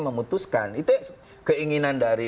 memutuskan itu keinginan dari